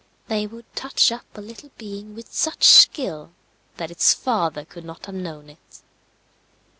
They would touch up a little being with such skill that its father could not have known it.